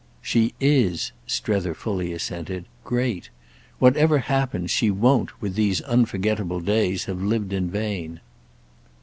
"She is" Strether fully assented: "great! Whatever happens, she won't, with these unforgettable days, have lived in vain."